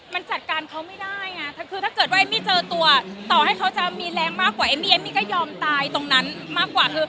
มันจัดการเขาไม่ได้ไงคือถ้าเกิดว่าเอมมี่เจอตัวต่อให้เขาจะมีแรงมากกว่าเอมมี่เอมมี่ก็ยอมตายตรงนั้นมากกว่าคือ